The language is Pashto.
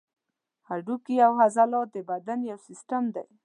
هډوکي او عضلات د بدن یو سیستم دی.